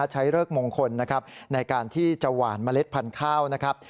เริกมงคลนะครับในการที่จะหวานเมล็ดพันธุ์ข้าวนะครับ